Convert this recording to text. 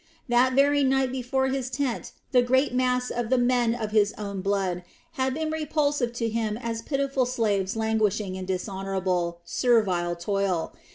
That very night before his tent the great mass of the men of his own blood had been repulsive to him as pitiful slaves languishing in dishonorable, servile toil.